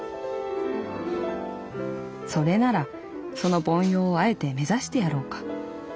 「それならその凡庸をあえて目指してやろうか。